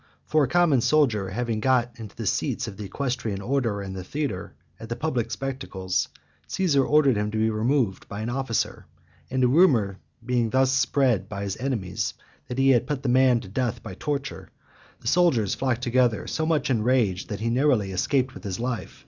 For a common soldier having got into the seats of the equestrian order in the theatre, at the public spectacles, Caesar ordered him to be removed by an officer; and a rumour being thence spread by his enemies, that he had (79) put the man to death by torture, the soldiers flocked together so much enraged, that he narrowly escaped with his life.